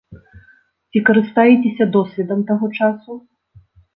Ці карыстаецеся досведам таго часу.